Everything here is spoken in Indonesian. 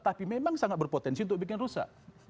tapi memang sangat berpotensi untuk bikin rusak